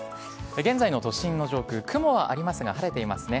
現在の都心の上空、雲はありますが、晴れていますね。